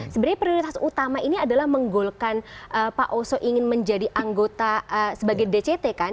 sebenarnya prioritas utama ini adalah menggolkan pak oso ingin menjadi anggota sebagai dct kan